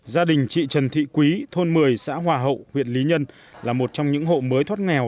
gia đình chị trần thị quý thôn một mươi xã hòa hậu huyện lý nhân là một trong những hộ mới thoát nghèo